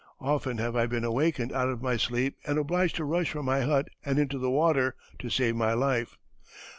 Often have I been awakened out of sleep and obliged to rush from my hut and into the water to save my life.